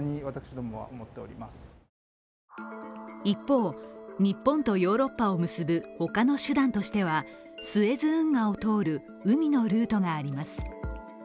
一方、日本とヨーロッパを結ぶ他の手段としては、スエズ運河を通る海のルートがあります。